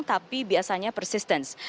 tapi biasanya persisten